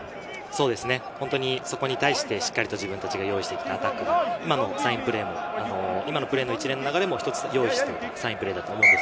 本当にそこに対してしっかりと自分たちが用意してきたアタック、サインプレーも今のプレーの一連の流れを一つ用意しているサインプレーだと思います。